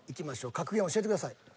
格言教えてください。